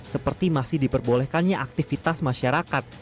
seperti masih diperbolehkannya aktivitas masyarakat